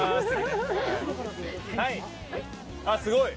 すごい！